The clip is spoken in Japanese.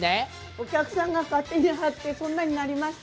お客さんが勝手に貼って、こんなになりました。